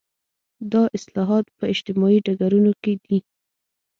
دا اصلاحات په اجتماعي ډګرونو کې دي.